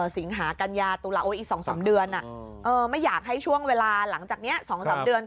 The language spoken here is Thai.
สิงหากัญญาตุลาโอ๊อีก๒๓เดือนไม่อยากให้ช่วงเวลาหลังจากนี้๒๓เดือน